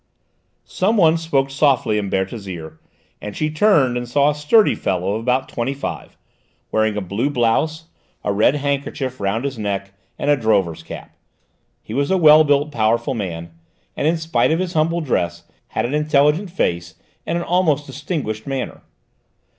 Someone spoke softly in Berthe's ear and she turned and saw a sturdy fellow of about twenty five, wearing a blue blouse, a red handkerchief round his neck, and a drover's cap; he was a well built, powerful man, and in spite of his humble dress, had an intelligent face and an almost distinguished manner.